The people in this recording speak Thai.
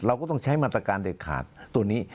เราก็ต้องใช้มาตรการเด็ดขาดตัวนี้